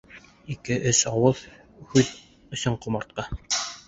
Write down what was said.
Ике-өс ауыҙ һүҙ өсөн ҡомартҡы!